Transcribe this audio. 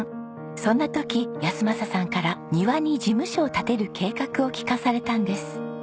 そんな時安正さんから庭に事務所を建てる計画を聞かされたんです。